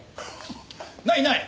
ないない。